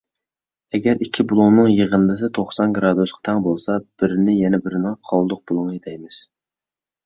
ئەگەر ئىككى بۇلۇڭنىڭ يىغىندىسى توقسان گىرادۇسقا تەڭ بولسا، بىرىنى يەنە بىرىنىڭ قالدۇق بۇلۇڭى دەيمىز.